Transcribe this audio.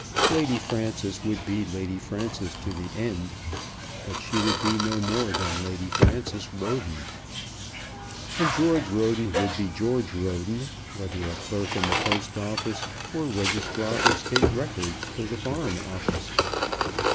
Lady Frances would be Lady Frances to the end, but she would be no more than Lady Frances Roden. And George Roden would be George Roden, whether a clerk in the Post Office or Registrar of State Records to the Foreign Office.